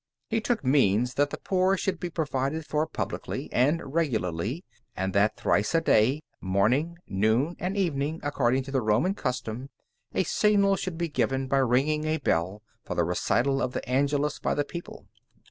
He took means that the poor should be provided for publicly and regularly, and that thrice a day, morning, noon, and evening, according to the Roman custom, a signal should be given by ringing a bell for the recital of the Angelus by the people.